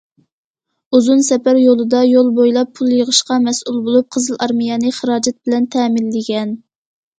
ئۇزۇن سەپەر يولىدا يول بويلاپ پۇل يىغىشقا مەسئۇل بولۇپ، قىزىل ئارمىيەنى خىراجەت بىلەن تەمىنلىگەن.